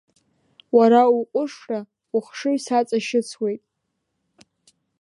Уара уҟәышра, ухшыҩ саҵашьыцуеит!